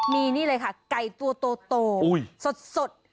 มีนี่เลยค่ะไก่ตัวโตสด